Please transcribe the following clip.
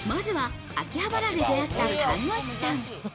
まずは秋葉原で出会った看護師さん。